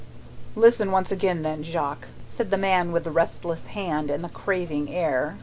"Listen once again then, Jacques!" said the man with the restless hand and the craving air.